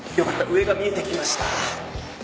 上が見えてきました。